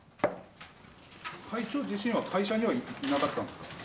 社長自身は会社にはいなかったんですか？